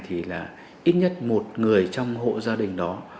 thì là ít nhất một người trong hộ gia đình đó